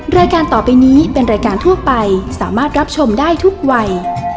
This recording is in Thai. รายการต่อไปนี้เป็นรายการทั่วไปสามารถรับชมได้ทุกวัย